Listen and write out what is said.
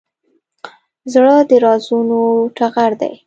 زړه د رازونو ټغر دی.